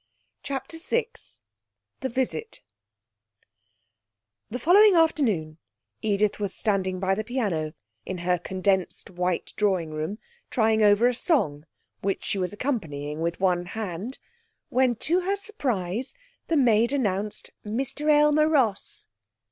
CHAPTER VI The Visit The following afternoon Edith was standing by the piano in her condensed white drawing room, trying over a song, which she was accompanying with one hand, when to her surprise the maid announced 'Mr Aylmer Ross.'